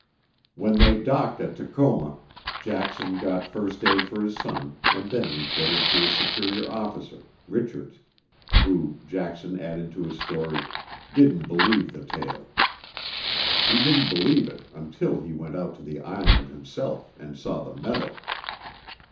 When they docked at Tacoma, Jackson got first aid for his son and then reported to his superior officer, Richards, who, Jackson added to his story, didn't believe the tale. He didn't believe it until he went out to the island himself and saw the metal.